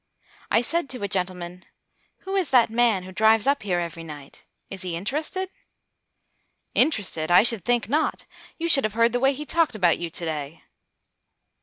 I said to a gentleman: "Who is that man who drives up here every night? Is he interested?" "Interested! I should think not. You should have heard the way he talked about you today."